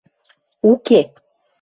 – Уке...